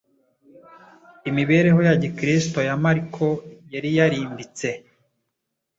imibereho ya Gikristo ya Mariko yari yarimbitse.